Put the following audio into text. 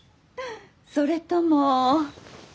それとも。